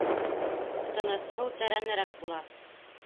Тыныс һыу тәрәнерәк була.